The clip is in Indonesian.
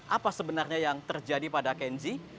apa sebenarnya yang terjadi pada kenzi